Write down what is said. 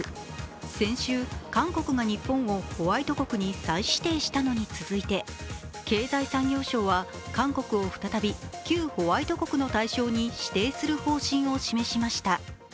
先週、韓国が日本をホワイト国に再指定したのに続いて経済産業省は韓国を再び旧ホワイト国の対象に指定する方針を示しました。